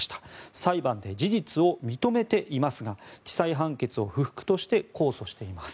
裁判で事実を認めていますが地裁判決を不服として控訴しています。